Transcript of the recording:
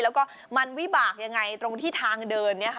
แล้วก็มันวิบากยังไงตรงที่ทางเดิน